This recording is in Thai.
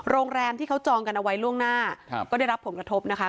โรงแรมที่เขาจองกันเอาไว้ล่วงหน้าก็ได้รับผลกระทบนะคะ